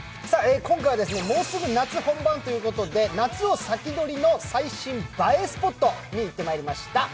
今回は、もうすぐ夏本番ということで、夏を先取りの最新映えスポットに行ってまいりました。